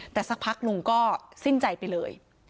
แต่สักพักลุงก็สิ้นใจไปเลย